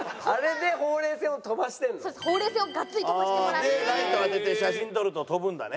でライト当てて写真撮ると飛ぶんだね。